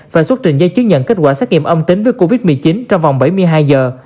và xuất trình giấy chứng nhận kết quả xét nghiệm âm tính với covid một mươi chín trong vòng bảy mươi hai giờ